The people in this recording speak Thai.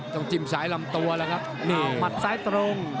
จิ้มสายลำตัวแล้วครับนี่หมัดซ้ายตรง